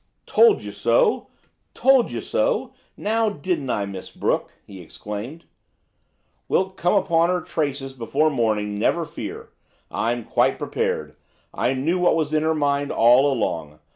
"Told you so! told you so! Now, didn't I, Miss Brooke?" he exclaimed. "We'll come upon her traces before morning, never fear. I'm quite prepared. I knew what was in her mind all along.